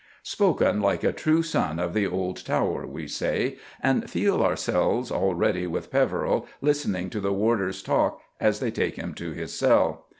'" Spoken like a true son of the old Tower, we say, and feel ourselves already with Peveril listening to the warders' talk as they take him to his cell.